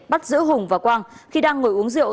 bắt giữ hùng và quang khi đang ngồi uống rượu